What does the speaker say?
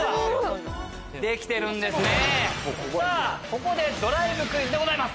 さぁここで。